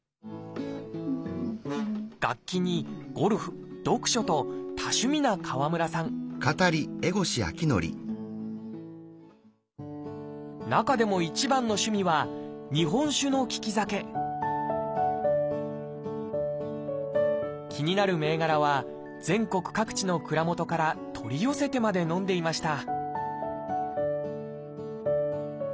楽器にゴルフ読書と多趣味な川村さん中でも一番の趣味は気になる銘柄は全国各地の蔵元から取り寄せてまで飲んでいました